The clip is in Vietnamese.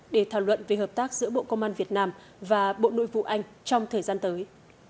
để thảo luận về hợp tác giữa bộ công an việt nam và bộ nội vụ anh trong thời gian tới